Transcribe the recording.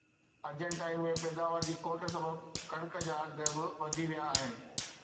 ارجنٽائن ۾ پيداوار جي کوٽ سبب ڪڻڪ جا اگهه به وڌي ويا آهن